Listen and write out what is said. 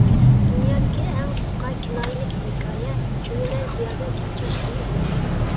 دۇنيادىكى ئەڭ قىسقا كىنايىلىك ھېكايە: چۈمۈلە زىيادە چارچاشتىن ئۆلدى.